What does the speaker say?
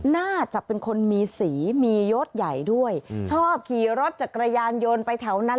น่าจะเป็นคนมีสีมียศใหญ่ด้วยชอบขี่รถจักรยานยนต์ไปแถวนั้น